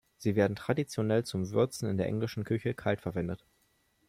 Sie werden traditionell zum Würzen in der Englischen Küche kalt verwendet.